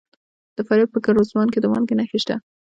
د فاریاب په ګرزوان کې د مالګې نښې شته.